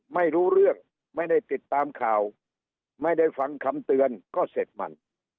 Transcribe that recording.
ไม่รู้เรื่องไม่ได้ติดตามข่าวไม่ได้ฟังคำเตือนก็เสร็จมัน